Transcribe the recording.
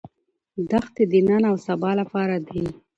دښتې د نن او سبا لپاره دي.